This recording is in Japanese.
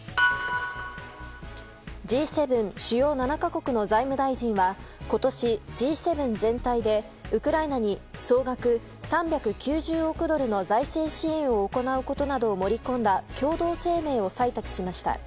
Ｇ７・主要７か国の財務大臣は今年、Ｇ７全体でウクライナに総額３９０億ドルの財政支援を行うことなどを盛り込んだ共同声明を採択しました。